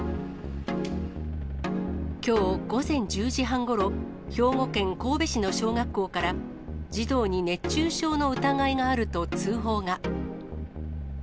きょう午前１０時半ごろ、兵庫県神戸市の小学校から、児童に熱中症の疑いがあると通報が。